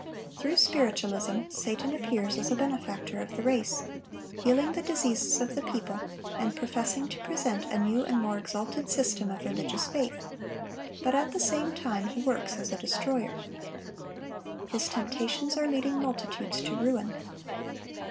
Through Spiritualism, Satan appears as a benefactor of the race, healing the diseases of the people, and professing to present a new and more exalted system of religious faith; but at the same time he works as a destroyer. His temptations are leading multitudes to ruin.